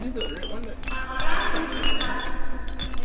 Аппаратым шындат